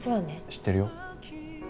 知ってるよ。